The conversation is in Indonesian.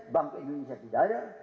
bank ini saya tidak ada